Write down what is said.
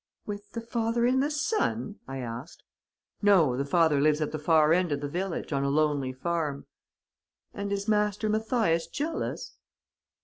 "'With the father and the son?' I asked. "'No, the father lives at the far end of the village, on a lonely farm.' "'And is Master Mathias jealous?'